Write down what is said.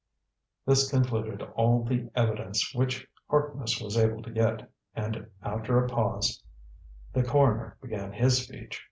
This concluded all the evidence which Harkness was able to get, and after a pause the coroner began his speech.